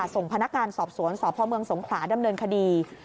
ส่งพนักการณ์สอบสวนสอบพ่อเมืองสงขวาดำเนินคดี